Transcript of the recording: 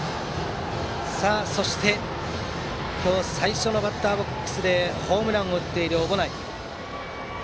そして、今日最初のバッターボックスでホームランを打っている小保内。